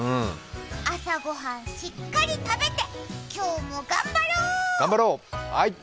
朝御飯しっかり食べて、今日も頑張ろう！